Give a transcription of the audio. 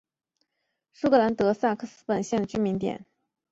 舒格兰德克萨斯是美国德克萨斯州本德堡县的一个普查规定居民点。